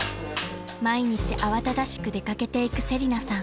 ［毎日慌ただしく出掛けていく瀬里菜さん］